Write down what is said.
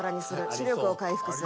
視力を回復する。